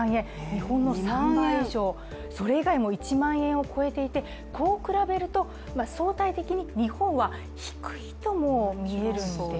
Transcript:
日本の３倍以上、それ以外も１万円を超えていてこう比べると、相対的に日本は低いとも見えるんですよね。